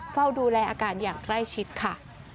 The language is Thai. เฝ้าดูแลอาการอย่างใกล้ชิดค่ะ